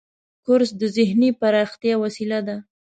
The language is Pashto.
کورس د ذهني پراختیا وسیله ده.